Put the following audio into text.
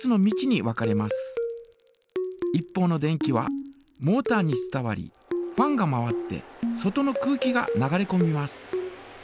一方の電気はモータに伝わりファンが回って外の空気が流れこみます。